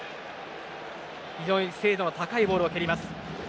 非常に精度の高いボールを蹴ります。